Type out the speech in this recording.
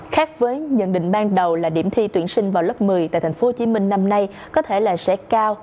khác với nhận định ban đầu là điểm thi tuyển sinh vào lớp một mươi tại tp hcm năm nay có thể là sẽ cao